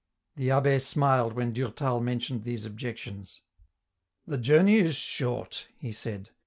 The abb^ smiled when Durtal mentioned these objections. " The journey is short," he said.